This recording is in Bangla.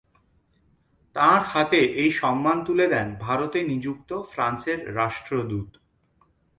তাঁর হাতে এই সম্মান তুলে দেন ভারতে নিযুক্ত ফ্রান্সের রাষ্ট্রদূত।